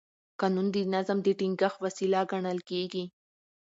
قانون د نظم د ټینګښت وسیله ګڼل کېږي.